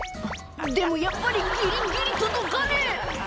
「でもやっぱりギリギリ届かねえ！」